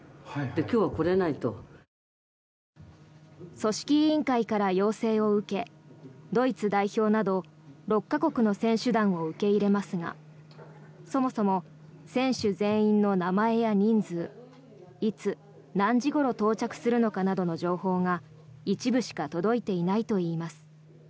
組織委員会から要請を受けドイツ代表など６か国の選手団を受け入れますがそもそも選手全員の名前や人数いつ、何時ごろ到着するのかなどの情報が一部しか届いていないといいます。